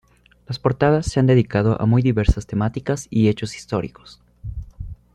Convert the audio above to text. Las portadas se han dedicado a muy diversas temáticas y hechos históricos.